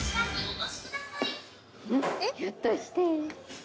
ひょっとして。